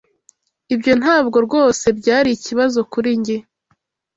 Ibyo ntabwo rwose byari ikibazo kuri njye.